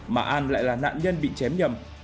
mà an lại là nạn nhân bị chém nhầm